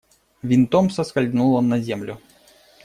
Винтом соскользнул он на землю.